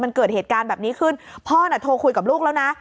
มันเกิดเหตุการณ์แบบนี้ขึ้นพ่อน่ะโทรคุยกับลูกแล้วนะ